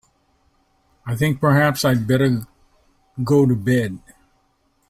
I think perhaps I'd better go to bed.